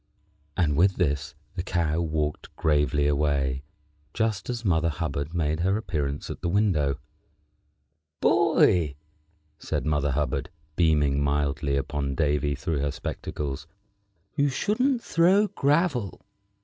And with this the Cow walked gravely away, just as Mother Hubbard made her appearance at the window. "Boy," said Mother Hubbard, beaming mildly upon Davy through her spectacles, "you shouldn't throw gravel."